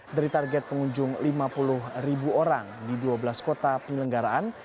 dari target pengunjung lima puluh ribu orang di dua belas kota penyelenggaraan